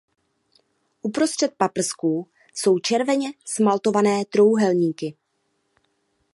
Uprostřed paprsků jsou červeně smaltované trojúhelníky.